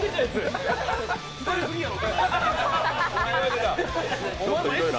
太りすぎやろ。